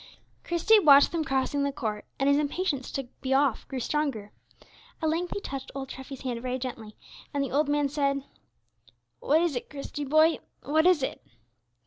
Christie watched them crossing the court, and his impatience to be off grew stronger. At length he touched old Treffy's hand very gently, and the old man said, in a bewildered voice, "What is it, Christie, boy? what is it?"